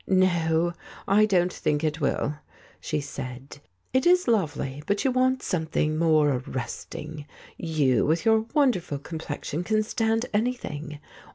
" No, I don't think it will," she said. " It is lovely, but you want something more arresting. You, with your wonderful complexion, can stand anything.